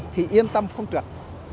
thì yên tâm không trượt